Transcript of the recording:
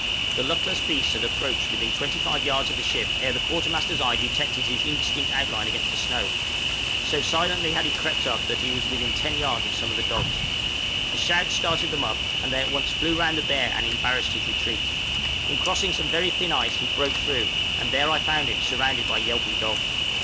The luckless beast had approached within 25 yards of the ship ere the quartermaster's eye detected his indistinct outline against the snow; so silently had he crept up that he was within 10 yards of some of the dogs. A shout started them up, and they at once flew round the bear and embarrassed his retreat. In crossing some very thin ice he broke through, and there I found him surrounded by yelping dogs.